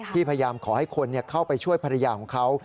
พยายามขอให้คนเข้าไปช่วยภรรยาของเขา